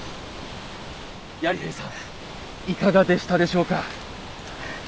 やり兵さんいかがでしたでしょうか。